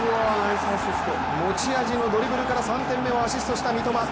持ち味のドリブルから３点目をアシストした三笘。